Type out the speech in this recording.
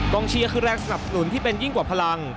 เชียร์คือแรงสนับสนุนที่เป็นยิ่งกว่าพลัง